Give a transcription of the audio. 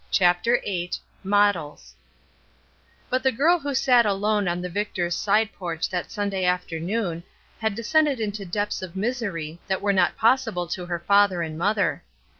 CHAPTER VIII MODELS BUT the girl who sat alone on the Victors' side porch that Sunday afternoon had descended into depths of misery that were not possible to her father and mother.